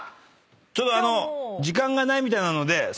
ちょっと時間がないみたいなのでそのまま。